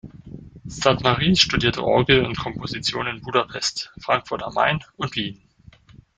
Szathmáry studierte Orgel und Komposition in Budapest, Frankfurt am Main und Wien.